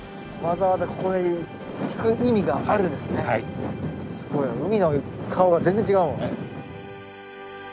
すごい海の顔が全然違うもん。